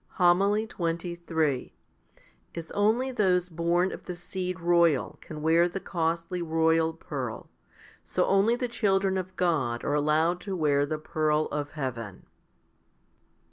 171 HOMILY XXIII As only those born of the seed royal can wear the costly royal pearl, so only the children of God are allowed to wear the pearl of heaven.